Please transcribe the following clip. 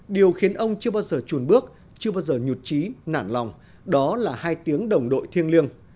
điều khiến ông chưa bao giờ trùn bước chưa bao giờ nhụt trí nản lòng đó là hai tiếng đồng đội thiêng liêng